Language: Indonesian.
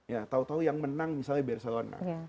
ya tau tau yang menang misalnya barcelona